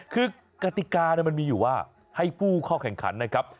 คือกติกามันมีอยู่ว่าให้ผู้เข้าแข่งขันนะครับ